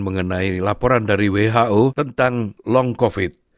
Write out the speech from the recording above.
mengenai laporan dari who tentang long covid